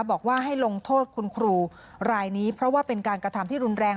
บอกว่าให้ลงโทษคุณครูรายนี้เพราะว่าเป็นการกระทำที่รุนแรง